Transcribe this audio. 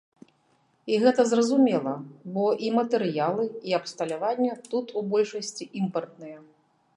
І гэта зразумела, бо і матэрыялы, і абсталяванне тут у большасці імпартныя.